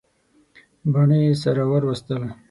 باڼه یې سره ور وستل.